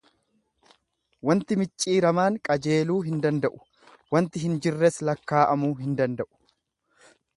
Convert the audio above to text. Wanti micciiramaan qajeeluu hin danda'u, wanti hin jirres lakkaa'amuu hin danda'u.